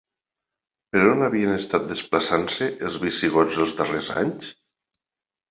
Per on havien estat desplaçant-se els visigots els darrers anys?